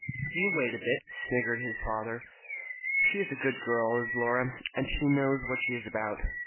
"You wait a bit!" sniggered his father. "She is a good girl, is Laura, and she knows what she is about.